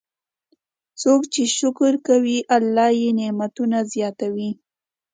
څوک چې شکر کوي، الله یې نعمتونه زیاتوي.